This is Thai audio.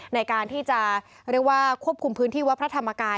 ในการที่จะเรียกว่าควบคุมพื้นที่วัดพระธรรมกาย